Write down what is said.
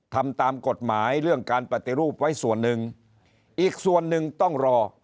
ทำตามกฎหมายเรื่องการปฏิรูปไว้ส่วนหนึ่งอีกส่วนหนึ่งต้องรอ